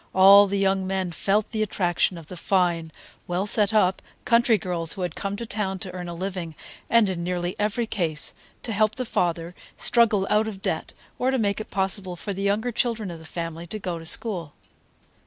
All the young men felt the attraction of the fine, well set up country girls who had come to town to earn a living, and, in nearly every case, to help the father struggle out of debt, or to make it possible for the younger children of the family to go to school.